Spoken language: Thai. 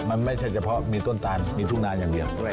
มันไม่ใช่เฉพาะมีต้นตานมีทุ่งนานอย่างเดียว